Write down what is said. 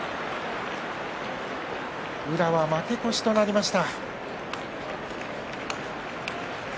宇良は負け越しとなりました。